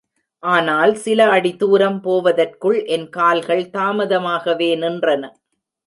ஆனால் சில அடி தூரம் போவதற்குள் என் கால்கள் தாமாகவே நின்றன.